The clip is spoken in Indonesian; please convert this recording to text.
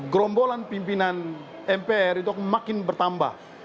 gerombolan pimpinan mpr itu makin bertambah